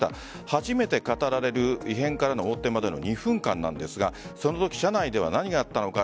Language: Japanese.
初めて語られる異変から横転までの２分間なんですがそのとき車内では何があったのか。